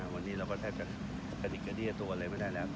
วันนี้เราก็แทบจะกระดิกกระเดี้ยตัวอะไรไม่ได้แล้ว